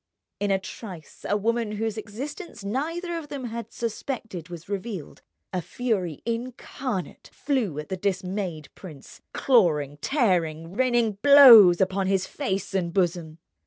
In a trice a woman whose existence neither of them had suspected was revealed, a fury incarnate flew at the dismayed prince, clawing, tearing, raining blows upon his face and bosom.